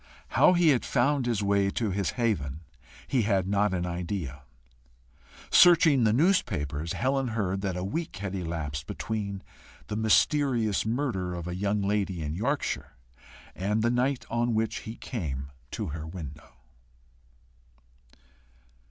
How he had found his way to his haven, he had not an idea. Searching the newspapers, Helen heard that a week had elapsed between the "mysterious murder of a young lady in Yorkshire" and the night on which he came to her window.